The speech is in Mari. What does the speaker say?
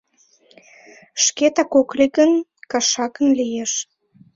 Шкетак ок лий гын, кашакын лиеш.